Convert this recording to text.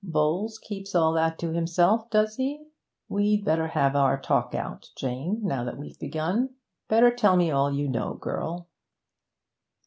'Bowles keeps all that to himself, does he? We'd better have our talk out, Jane, now that we've begun. Better tell me all you know, my girl.'